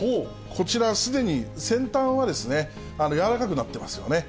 こちら、すでに先端は柔らかくなってますよね。